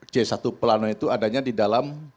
c satu plano itu adanya di dalam